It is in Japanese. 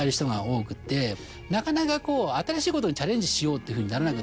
なかなか新しいことにチャレンジしようっていうふうにならなくて。